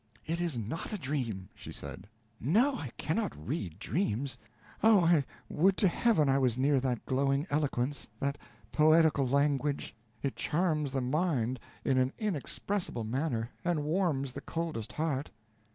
"It is not a dream!" she said, "no, I cannot read dreams. Oh! I would to Heaven I was near that glowing eloquence that poetical language it charms the mind in an inexpressible manner, and warms the coldest heart."